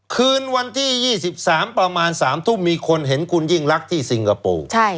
คืนวันที่๒๓ประมาณ๓ทุ่มมีคนเห็นคุณยิ่งรักที่สิงคโปร์